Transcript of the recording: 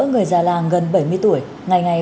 người già làng gần bảy mươi tuổi ngày ngày